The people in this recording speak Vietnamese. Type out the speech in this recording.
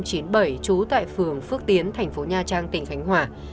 trú tại phường phước tiến thành phố nha trang tỉnh khánh hòa